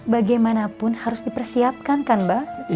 bagaimanapun harus dipersiapkan kan mbak